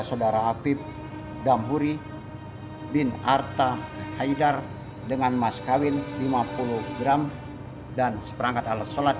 saudara hafib dampuri bin arta haidar dengan mas kawin lima puluh gram dan seperangkat alat sholat